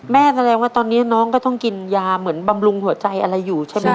แสดงว่าตอนนี้น้องก็ต้องกินยาเหมือนบำรุงหัวใจอะไรอยู่ใช่ไหม